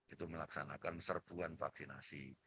itu melaksanakan serbuan vaksinasi